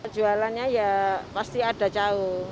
jualannya ya pasti ada jauh